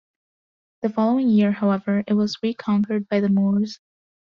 The following year, however, it was reconquered by the Moors.